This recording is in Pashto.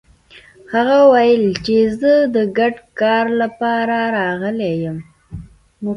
هغه ويل چې زه د ګډ کار لپاره راغلی يم.